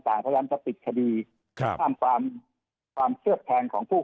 การแก้เนียงข้อหาก็เหมือนแบบ